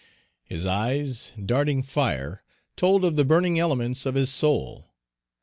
his eyes, darting fire, told of the burning elements of his soul.